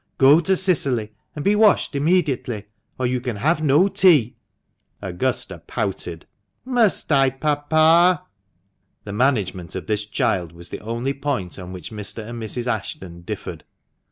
Go to Cicily and be washed immediately, or you can have no tea." Augusta pouted. '.^,, 150 THE MANCHESTER MAN. "Must I, papa ?" The management of this child was the only point on which Mr. and Mrs. Ashton differed.